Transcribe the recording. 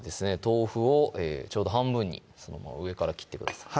豆腐をちょうど半分にそのまま上から切ってください